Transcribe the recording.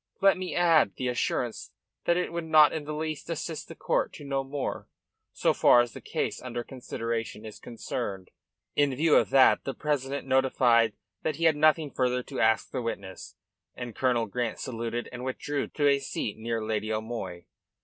Let me add the assurance that it would not in the least assist the court to know more, so far as the case under consideration is concerned." In view of that the president notified that he had nothing further to ask the witness, and Colonel Grant saluted and withdrew to a seat near Lady O'Moy.